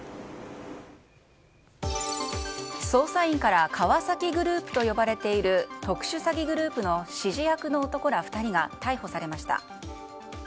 捜査員から川崎グループと呼ばれている特殊詐欺グループの指示役の男ら２人が逮捕されました。